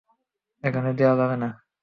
এখানে দেওয়া যাবে না।